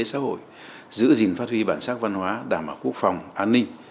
kinh tế xã hội giữ gìn phát huy bản sắc văn hóa đảm bảo quốc phòng an ninh